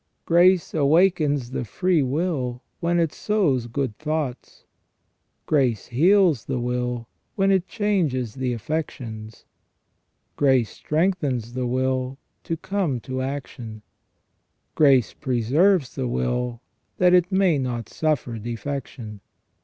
Grace awakens the free will when it sows good thoughts ; grace heals the will when it changes the affections; grace strengthens the will to come to action; grace preserves the will that it may not suffer defection.